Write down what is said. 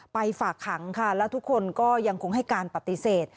ฝากขังค่ะแล้วทุกคนก็ยังคงให้การปฏิเสธ